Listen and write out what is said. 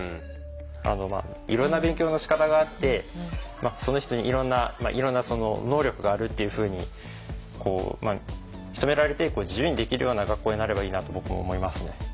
いろんな勉強のしかたがあってその人にいろんな能力があるっていうふうに認められて自由にできるような学校になればいいなと僕も思いますね。